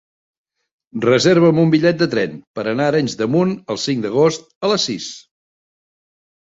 Reserva'm un bitllet de tren per anar a Arenys de Munt el cinc d'agost a les sis.